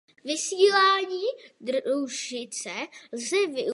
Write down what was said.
Vysílání družice lze využít i pro časovou synchronizaci.